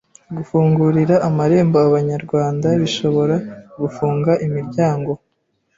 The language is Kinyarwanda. gufungurira amarembo abanyarwanda bishobora gufunga imiryango